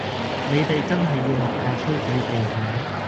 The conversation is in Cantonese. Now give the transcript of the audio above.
你哋真係要學下吹水技巧